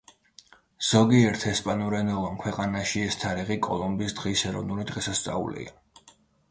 ზოგიერთ ესპანურენოვან ქვეყანაში ეს თარიღი კოლუმბის დღის ეროვნული დღესასწაულია.